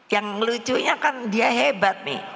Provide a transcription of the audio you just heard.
yang lucunya kan dia hebat nih